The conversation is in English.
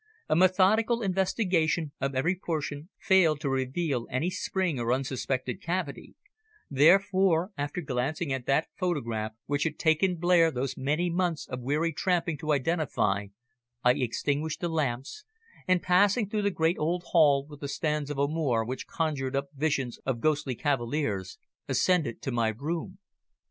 A methodical investigation of every portion failed to reveal any spring or unsuspected cavity, therefore, after glancing at that photograph which had taken Blair those many months of weary tramping to identify, I extinguished the lamps and passing through the great old hall with the stands of armour which conjured up visions of ghostly cavaliers, ascended to my room.